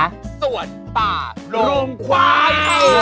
สวนป่าโรงควาย